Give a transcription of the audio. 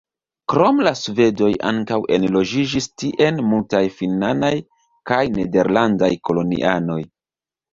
Krom la svedoj ankaŭ enloĝiĝis tien multaj finnaj kaj nederlandaj kolonianoj.